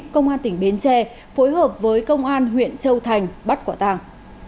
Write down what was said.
công an tỉnh bến tre phối hợp với công an huyện châu thành bắt quả tàng